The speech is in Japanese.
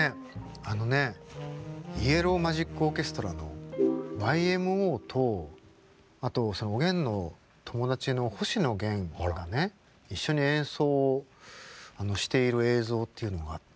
あのねイエロー・マジック・オーケストラのＹＭＯとあとおげんの友達の星野源がね一緒に演奏をしている映像っていうのがあって。